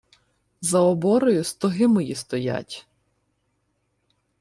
— За оборою стоги мої стоять.